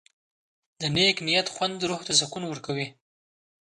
د نیک نیت خوند روح ته سکون ورکوي.